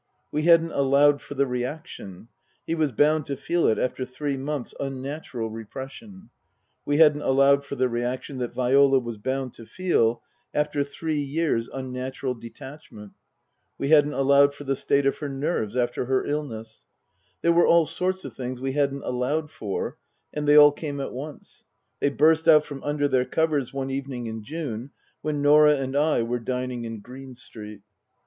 We hadn't allowed for the reaction he was bound to feel it after three months' unnatural repression ; we hadn't allowed for the reaction that Viola was bound to feel after three years' unnatural detachment ; we hadn't allowed for the state of her nerves after her illness ; there were all sorts of things we hadn't allowed for, and they all came at once ; they burst out from under their covers one evening in June when Norah and I were dining in Green Street.